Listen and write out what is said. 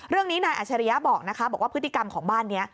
เรื่องนี้นายอัชริยะบอกนะคะบอกว่าพฤติกรรมของบ้านนี้